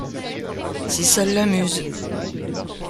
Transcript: Si ça l’amuse !